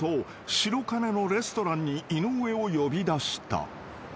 白金のレストランに井上を呼び出した］